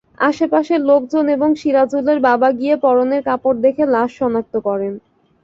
আশপাশের লোকজন এবং সিরাজুলের বাবা গিয়ে পরনের কাপড় দেখে লাশ শনাক্ত করেন।